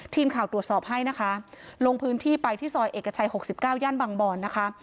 ทีมข่าวตรวจสอบให้นะคะลงพื้นที่ไปที่ซอยเอกชัย๖๙ย่านบางบอนนะคะ